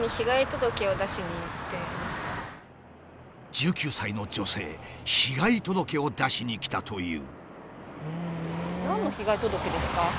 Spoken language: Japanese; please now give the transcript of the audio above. １９歳の女性被害届を出しに来たという。